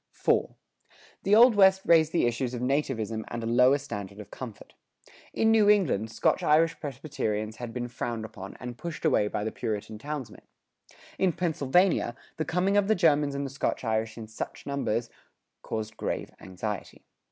IV. The Old West raised the issues of nativism and a lower standard of comfort. In New England, Scotch Irish Presbyterians had been frowned upon and pushed away by the Puritan townsmen.[109:2] In Pennsylvania, the coming of the Germans and the Scotch Irish in such numbers caused grave anxiety.